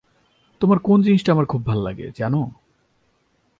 তোমার কোন জিনিসটা আমার খুব ভাল্লাগে, জানো?